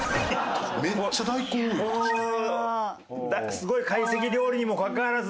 すごい会席料理にもかかわらず？